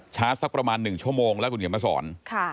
ชาร์จสักประมาณ๑ชั่วโมงแล้วก็เรียบมาสอน